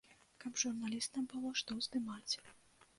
Каб журналістам было што здымаць.